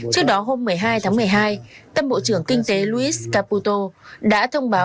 trước đó hôm một mươi hai tháng một mươi hai tâm bộ trưởng kinh tế luis caputo đã thông báo